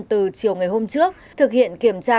từ chiều ngày hôm trước thực hiện kiểm tra